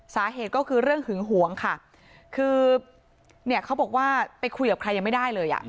สาเหตุก็คือเรื่องหึงหวงค่ะคือเนี่ยเขาบอกว่าไปคุยกับใครยังไม่ได้เลยอ่ะ